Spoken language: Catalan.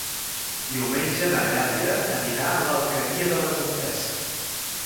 Diumenge na Dèlia anirà a l'Alqueria de la Comtessa.